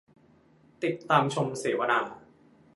ติดตามชมเสวนา